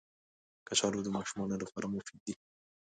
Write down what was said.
کچالو د ماشومانو لپاره مفید دي